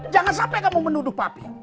jangan sampai kamu menuduh papi